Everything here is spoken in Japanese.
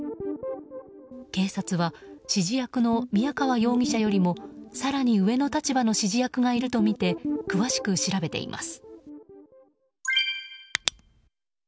警察は指示役の宮川容疑者よりもさらに上の立場の指示役がいるとみて詳しく調べています。